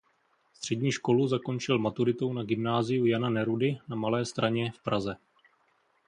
Střední školu zakončil maturitou na Gymnáziu Jana Nerudy na Malé Straně v Praze.